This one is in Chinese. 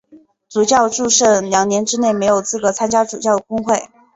主教祝圣两年之内没有资格参加主教公会。